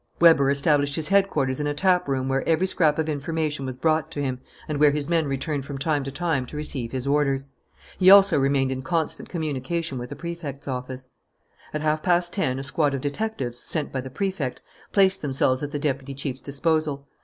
Weber established his headquarters in a tap room where every scrap of information was brought to him and where his men returned from time to time to receive his orders. He also remained in constant communication with the Prefect's office. At half past ten a squad of detectives, sent by the Prefect, placed themselves at the deputy chief's disposal.